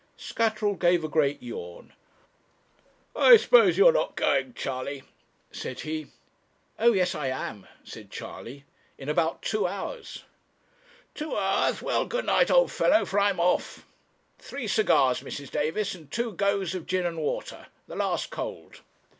Scatterall gave a great yawn. 'I suppose you're not going, Charley?' said he. 'Oh yes, I am,' said Charley, 'in about two hours.' 'Two hours! well, good night, old fellow, for I'm off. Three cigars, Mrs. Davis, and two goes of gin and water, the last cold.'